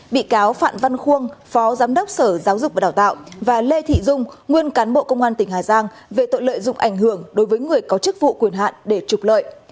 bị cáo phạm văn khuôn phó giám đốc sở giáo dục và đào tạo và lê thị dung nguyên cán bộ công an tỉnh hà giang về tội lợi dụng ảnh hưởng đối với người có chức vụ quyền hạn để trục lợi